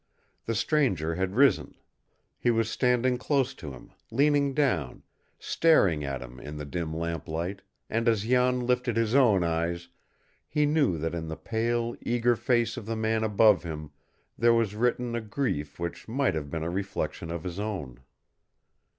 The stranger had risen. He was standing close to him, leaning down, staring at him in the dim lamplight, and as Jan lifted his own eyes he knew that in the pale, eager face of the man above him there was written a grief which might have been a reflection of his own.